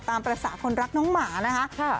ตามประสาทคนรักน้องหมานะครับ